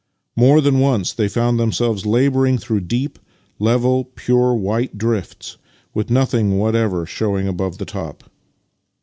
More than once they found themselves labouring through deep, level, pure white drifts, with nothing whatever showing above the top.